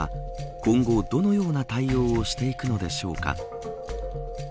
今後、どのような対応をしていくのでしょうか。